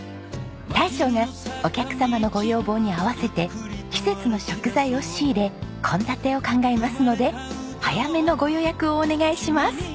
大将がお客様のご要望に合わせて季節の食材を仕入れ献立を考えますので早めのご予約をお願いします。